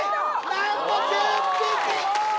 なんと１０匹！